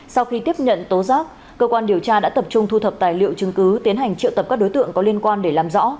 sau khi tiếp nhận tố giác cơ quan điều tra đã tập trung thu thập tài liệu chứng cứ tiến hành triệu tập các đối tượng có liên quan để làm rõ